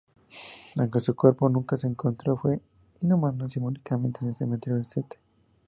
Aunque su cuerpo nunca se encontró fue inhumado simbólicamente en el Cementerio de St.